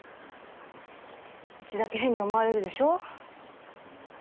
うちだけ変に思われるでしょ？